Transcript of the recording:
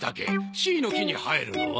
しいの木に生えるのは？